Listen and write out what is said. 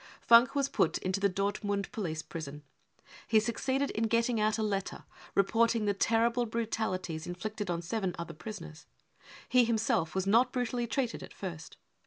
Funk was put into the Dortmund police prison. He suc ceeded in getting out a letter reporting the terrible brutali ties inflicted on seven other prisoners ; he himself was not brutally treated at first.